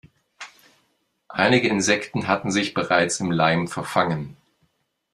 Einige Insekten hatten sich bereits im Leim verfangen.